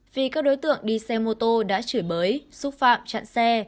vì các đối tượng đi xe mô tô đã chửi bới xúc phạm chặn xe